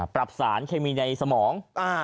ปรับสารเคมีในสมอง